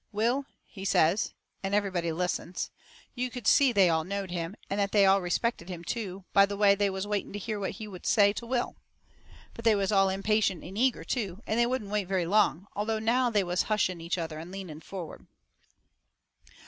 "Will," he says. And everybody listens. You could see they all knowed him, and that they all respected him too, by the way they was waiting to hear what he would say to Will. But they was all impatient and eager, too, and they wouldn't wait very long, although now they was hushing each other and leaning forward.